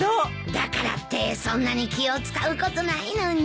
だからってそんなに気を使うことないのに。